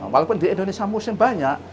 walaupun di indonesia musim banyak